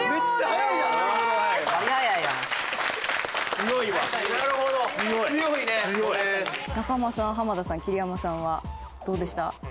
強いわなるほど強いね中間さん田さん桐山さんはどうでした？